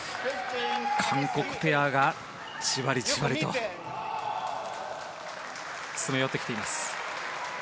韓国ペアがじわりじわりと詰め寄ってきています。